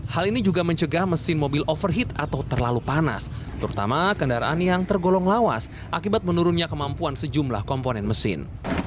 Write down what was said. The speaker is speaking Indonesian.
hal ini juga mencegah mesin mobil overheat atau terlalu panas terutama kendaraan yang tergolong lawas akibat menurunnya kemampuan sejumlah komponen mesin